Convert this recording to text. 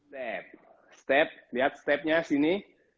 step lihat step nya sini